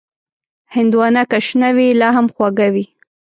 هندوانه که شنه وي، لا هم خوږه وي.